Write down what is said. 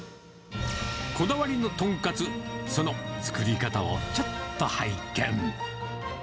こだわりの豚カツ、その作り方をちょっと拝見。